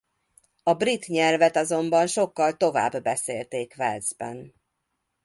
A brit nyelvet azonban sokkal tovább beszélték Walesben.